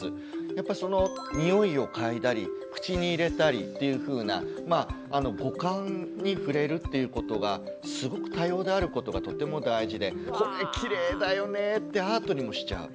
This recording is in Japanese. やっぱりそのにおいをかいだり口に入れたりっていうふうな五感に触れるっていうことがすごく多様であることがとても大事でこれきれいだよねってアートにもしちゃう。